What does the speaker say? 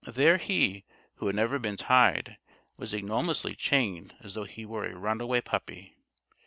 There he, who had never been tied, was ignominiously chained as though he were a runaway puppy.